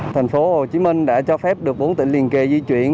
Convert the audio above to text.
tp hcm đã cho phép được bốn tỉnh liên kề di chuyển